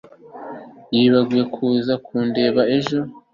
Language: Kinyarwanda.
yibagiwe kuza kundeba ejo